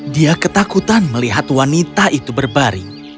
dia ketakutan melihat wanita itu berbaring